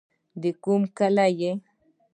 د کوم کلي يې.